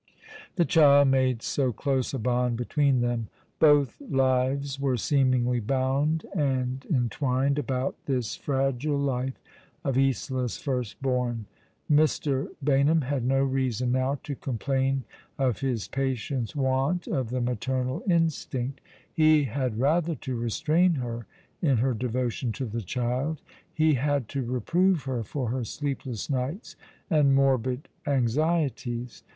The child made so close a bond between them. Both lives were seemingly bound and entwined about this fragile life of Isola's first born. Mr. Baynham had no reason now to complain of his patient's want of the maternal instinci 138 All along the River. He had rather to restrain her in her devotion to the child. He had to reprove her for her sleepless nights and morbid anxieties.